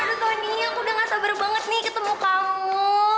aduh tony aku udah gak sabar banget nih ketemu kamu